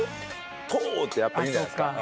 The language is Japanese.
「とうーっ！」ってやっぱ言うじゃないですか。